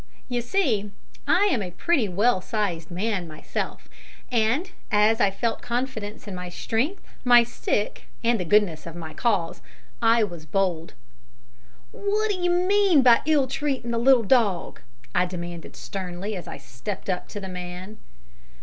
You see I am a pretty well sized man myself, and, as I felt confidence in my strength, my stick, and the goodness of my cause, I was bold. "What d'you mean by ill treating the little dog?" I demanded sternly, as I stepped up to the man.